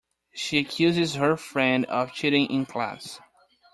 She accuses her friend of cheating in class.